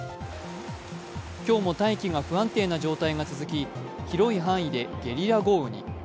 今日も大気が不安定な状態が続き、広い範囲でゲリラ雷雨に。